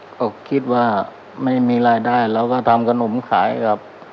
ก็คิดว่าไม่มีรายได้เราก็ทำขนมขายครับ